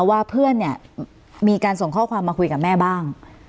ว่าเพื่อนเนี่ยมีการส่งข้อความมาคุยกับแม่บ้าง